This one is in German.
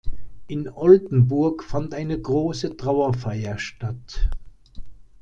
In Oldenburg fand eine große Trauerfeier statt.